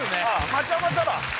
まちゃまちゃだ